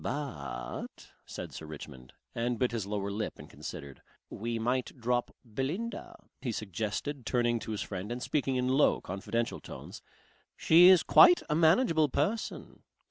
"But," said Sir Richmond and bit his lower lip and considered. "We might drop Belinda," he suggested turning to his friend and speaking in low, confidential tones. "She is quite a manageable person.